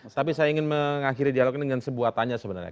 tapi saya ingin mengakhiri dialog ini dengan sebuah tanya sebenarnya